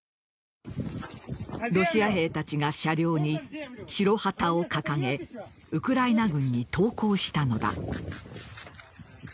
ロシア兵たちが車両に白旗を掲げウクライナ軍に投降したのだ。